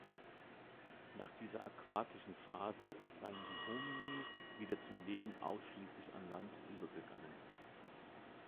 Nach dieser „aquatischen Phase“ seien die Hominini wieder zum Leben ausschließlich an Land übergegangen.